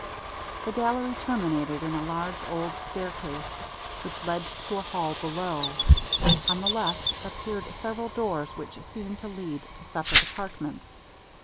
The gallery terminated in a large old stair case, which led to a hall below; on the left appeared several doors which seemed to lead to separate apartments.